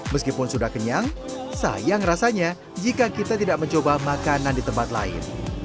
meskipun sudah kenyang sayang rasanya jika kita tidak mencoba makanan di tempat lain